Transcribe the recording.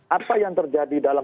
apa yang terjadi dalam